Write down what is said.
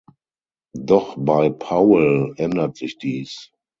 Doch bei Powell ändert sich dies.